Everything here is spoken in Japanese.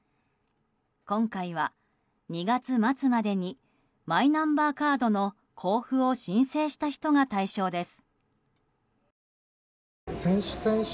今回は２月末までにマイナンバーカードの交付を申請した人が対象です。